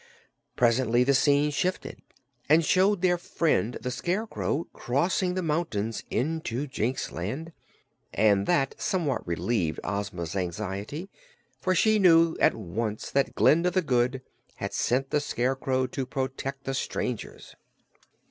Presently the scene shifted and showed their friend the Scarecrow crossing the mountains into Jinxland, and that somewhat relieved Ozma's anxiety, for she knew at once that Glinda the Good had sent the Scarecrow to protect the strangers.